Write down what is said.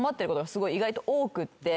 すごい意外と多くって。